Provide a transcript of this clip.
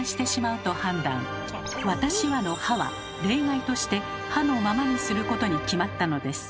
「私は」の「は」は例外として「は」のままにすることに決まったのです。